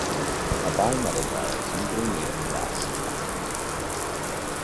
A bimetal bar is usually made of brass and iron.